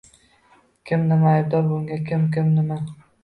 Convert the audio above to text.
Kim, nima aybdor bunga? Kim? Nima?